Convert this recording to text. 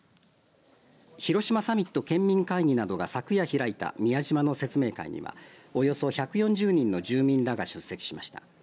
広島サミット県民会議などが昨夜開いた宮島の説明会にはおよそ１４０人の住民らが出席しました。